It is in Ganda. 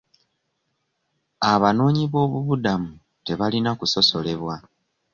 Abanoonyiboobubudamu tebalina kusosolebwa.